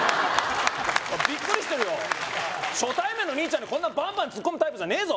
ビックリしてるよ初対面の兄ちゃんにこんなバンバンツッコむタイプじゃねえぞ